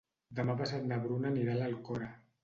Demà passat na Bruna anirà a l'Alcora.